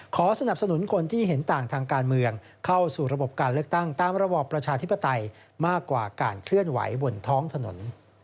สนับสนุนคนที่เห็นต่างทางการเมืองเข้าสู่ระบบการเลือกตั้งตามระบอบประชาธิปไตยมากกว่าการเคลื่อนไหวบนท้องถนน